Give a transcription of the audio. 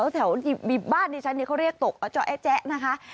แถวบิบบ้านในชั้นนี้เขาเรียกตกอาจจะแอ้แจ๊ะนะคะ